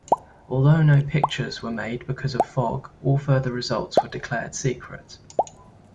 Although no pictures were made because of fog, all further results were declared secret.